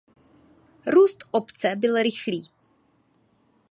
Růst obce byl rychlý.